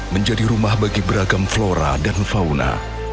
menjadi rumah bagi beragam flora dan fauna